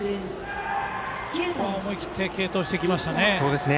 思い切って継投してきましたね。